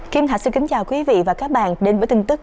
kim thạch xin kính chào quý vị và các bạn đến với tin tức